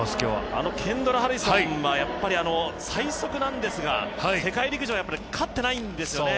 あのケンドラ・ハリソンは最速なんですが、世界陸上は勝ってないんですよね。